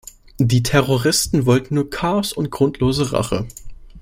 Die Terroristen wollten nur Chaos und grundlose Rache.